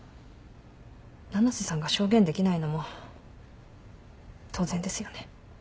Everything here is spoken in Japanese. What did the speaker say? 七瀬さんが証言できないのも当然ですよね。